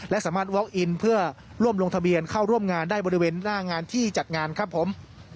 และสามารถวอคอินเพื่อร่วมลงทะเบียนเข้าร่วมงานได้บริเวณหน้างานที่จัดงานครับผม